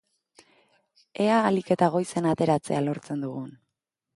Ea ahalik eta goizena ateratzea lortzen dugun!